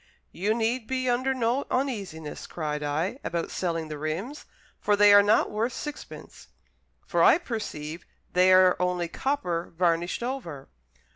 "You need be under no uneasiness," cried I, "about selling the rims; for they are not worth sixpence, for I perceive they are only copper varnished over."